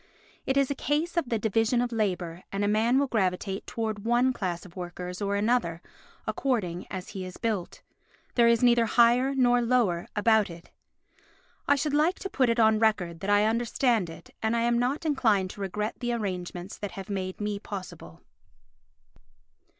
It is a case of the division of labour and a man will gravitate towards one class of workers or another according as he is built. There is neither higher nor lower about it. I should like to put it on record that I understand it and am not inclined to regret the arrangements that have made me possible.